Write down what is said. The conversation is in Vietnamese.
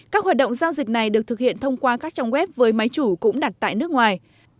các hoạt động giao dịch này được thực hiện thông qua các trang web với máy chủ cũng đặt tại nước ngoài